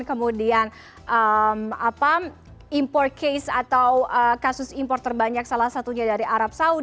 kemudian import case atau kasus impor terbanyak salah satunya dari arab saudi